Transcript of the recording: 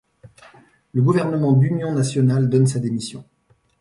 Le gouvernement d’union nationale donne sa démission.